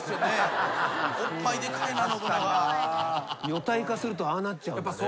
女体化するとああなっちゃうんだね。